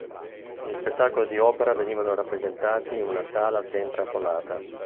Gli spettacoli di opera venivano rappresentati in una sala sempre affollata.